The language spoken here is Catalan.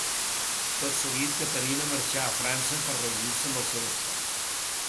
Tot seguit, Caterina marxà a França per reunir-se amb el seu espòs.